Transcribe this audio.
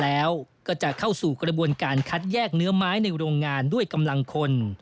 แล้วก็จะเข้าสู่กระบวนการคัดแยกเนื้อไม้ในโรงงานด้วยกำลังคน